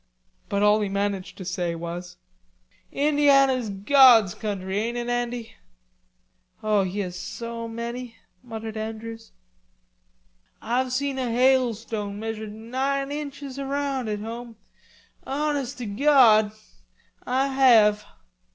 But all he managed to say was: "Indiana's God's country, ain't it, Andy?" "Oh, he has so many," muttered Andrews. "Ah've seen a hailstone measured nine inches around out home, honest to Gawd, Ah have."